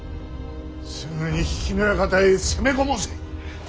すぐに比企の館へ攻め込もうぜ。